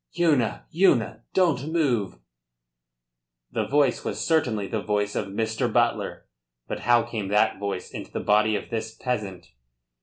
"Una! Una! Don't move!" The voice was certainly the voice of Mr. Butler. But how came that voice into the body of this peasant?